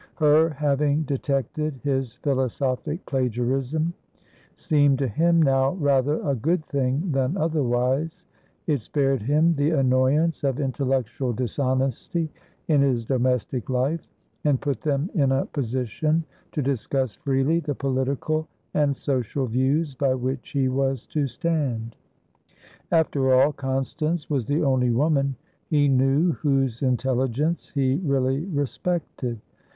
Her having detected his philosophic plagiarism seemed to him now rather a good thing than otherwise; it spared him the annoyance of intellectual dishonesty in his domestic life, and put them in a position to discuss freely the political and social views by which he was to stand. After all, Constance was the only woman he knew whose intelligence he really respected.